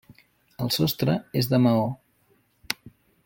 El sostre és de maó.